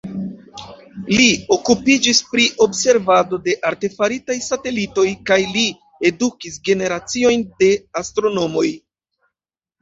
Li okupiĝis pri observado de artefaritaj satelitoj kaj li edukis generaciojn de astronomoj.